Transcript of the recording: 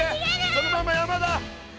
そのまま山だ！